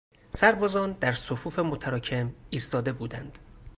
سربازان در صفوف متراکم ایستاده بودند.